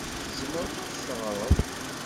Tzemreḍ ad d-teɣreḍ?